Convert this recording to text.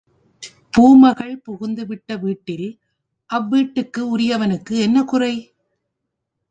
பூமகள் புகுந்துவிட்ட வீட்டில் அவ் வீட்டுக்கு உரியவனுக்கு என்ன குறை?